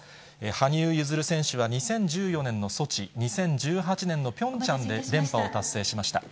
羽生結弦選手は２０１４年のソチ、２０１８年のピョンチャンで連覇を達成しました。